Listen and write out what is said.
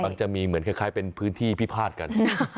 มันจะมีเหมือนคล้ายเป็นพื้นที่พิพาทกัน